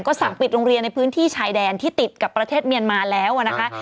สั่งปิดโรงเรียนในพื้นที่ชายแดนที่ติดกับประเทศเมียนมาแล้วนะคะ